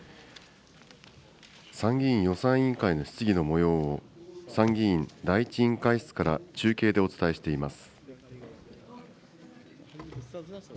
参議院予算委員会の質疑のもようを、参議院第１委員会室から中継でお伝えしています。